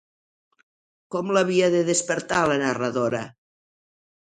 Com l'havia de despertar la narradora?